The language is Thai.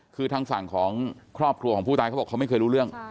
คือทางฝั่งของครอบครัวของผู้ตายเขาบอกเขาไม่เคยรู้เรื่อง